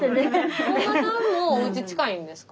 本間さんもおうち近いんですか？